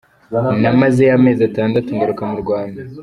Namazeyo amezi atandatu ngaruka mu Rwanda.